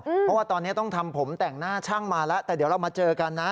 เพราะว่าตอนนี้ต้องทำผมแต่งหน้าช่างมาแล้วแต่เดี๋ยวเรามาเจอกันนะ